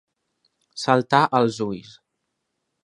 Saltar als ulls.